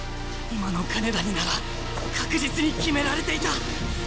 今の金田になら確実に決められていた！